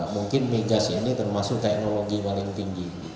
mungkin migas ini termasuk teknologi paling tinggi